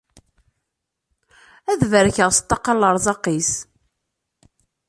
Ad barkeɣ s ṭṭaqa lerẓaq-is.